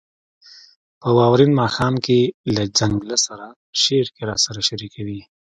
« په واورین ماښام کې له ځنګله سره» شعر کې راسره شریکوي: